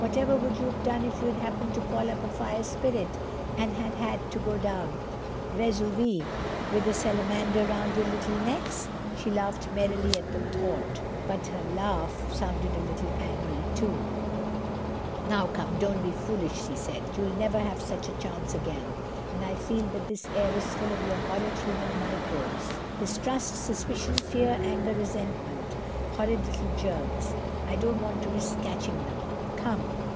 Whatever would you have done if you had happened to call up a fire spirit and had had to go down Vesuvius with a Salamander round your little necks?" She laughed merrily at the thought. But her laugh sounded a little angry too. "Come, don't be foolish," she said. "You'll never have such a chance again. And I feel that this air is full of your horrid human microbes—distrust, suspicion, fear, anger, resentment—horrid little germs. I don't want to risk catching them. Come."